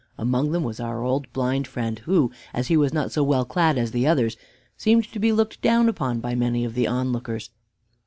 Among them was our old blind friend, who, as he was not so well clad as the others, seemed to be looked down upon by many of the onlookers.